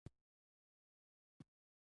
وروسته بیا لوښي پرېولم .